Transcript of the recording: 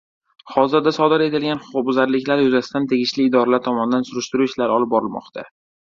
Hozirda sodir etilgan huquqbuzarliklar yuzasidan tegishli idoralar tomonidan surishtiruv ishlari olib borilmoqda